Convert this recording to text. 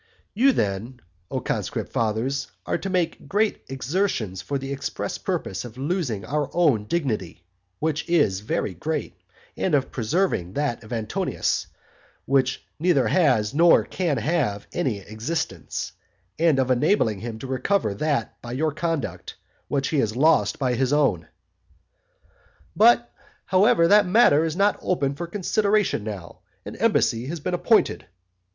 You then, O conscript fathers, are to make great exertions for the express purpose of losing your own dignity, which is very great, and of preserving that of Antonius, which neither has nor can have any existence, and of enabling him to recover that by your conduct, which he has lost by his own. "But, however, that matter is not open for consideration now, an embassy has been appointed."